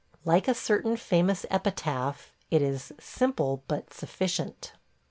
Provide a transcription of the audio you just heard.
Like a certain famous epitaph, it is "simple but sufficient." .